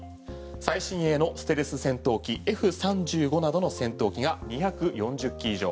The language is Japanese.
最新鋭のステルス戦闘機Ｆ３５などの戦闘機が２４０機以上。